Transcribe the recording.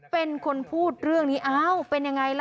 เป็นคนพูดเรื่องนี้อ้าวเป็นยังไงล่ะ